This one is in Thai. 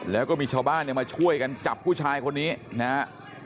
แล้วก็มีชาวบ้านเนี่ยมาช่วยกันจับผู้ชายคนนี้นะฮะ